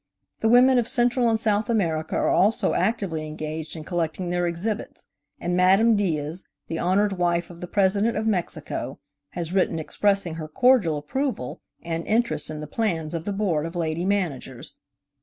The women of Central and South America are also actively engaged in collecting their exhibits, and Madame Diaz, the honored wife of the President of Mexico, has written expressing her cordial approval and interest in the plans of the Board of Lady Managers.